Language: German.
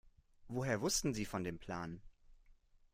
Woher wussten Sie von dem Plan?